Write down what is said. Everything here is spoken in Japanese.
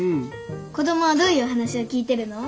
子供はどういうお話を聞いてるの？